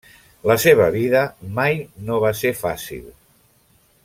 La seva vida mai no va ser fàcil.